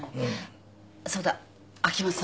そうだ秋山さん。